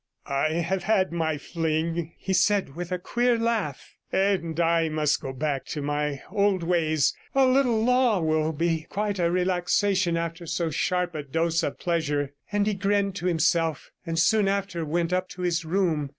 'I have had my fling,' he said with a queer laugh, 'and I must go back to my old ways. A little law will be quite a relaxation after so sharp a dose of pleasure,' and he grinned to himself, and soon after went up to his room.